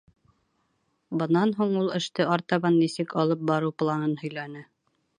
Бынан һуң ул эште артабан нисек алып барыу планын һөйләне.